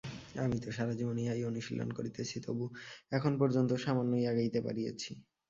আমি তো সারাজীবন ইহাই অনুশীলন করিতেছি, তবু এখন পর্যন্ত সামান্যই আগাইতে পারিয়াছি।